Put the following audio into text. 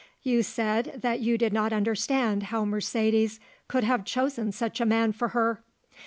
You said that you did not understand how Mercedes could have chosen such a man for her.